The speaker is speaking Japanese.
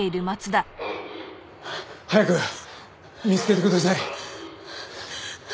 「」早く見つけてください。